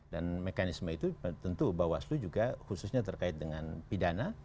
dan mekanisme itu tentu bawaslu juga khususnya terkait dengan pidana